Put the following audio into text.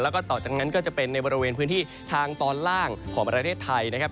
แล้วก็ต่อจากนั้นก็จะเป็นในบริเวณพื้นที่ทางตอนล่างของประเทศไทยนะครับ